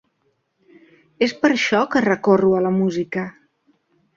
És per això que recorro a la música.